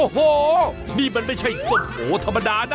โอ้โหนี่มันไม่ใช่ส้มโอธรรมดานะ